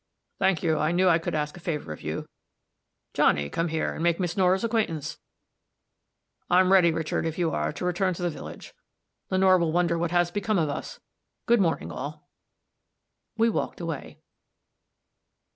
"Thank you. I knew I could ask a favor of you. Johnny, come here, and make Miss Nora's acquaintance. I'm ready, Richard, if you are, to return to the village. Lenore will wonder what has become of us. Good morning, all." We walked away.